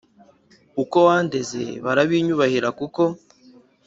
uko wandeze barabinyubahira kuko